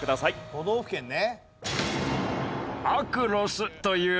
都道府県ね。